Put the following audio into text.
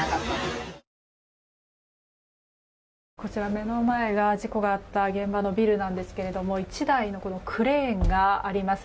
目の前が、事故があった現場のビルなんですけども１台のクレーンがあります。